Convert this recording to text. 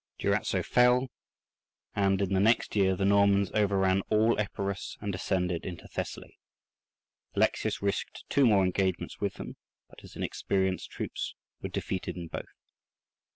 Durazzo fell, and in the next year the Normans overran all Epirus and descended into Thessaly. Alexius risked two more engagements with them, but his inexperienced troops were defeated in both.